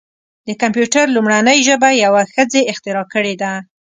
د کمپیوټر لومړنۍ ژبه یوه ښځې اختراع کړې ده.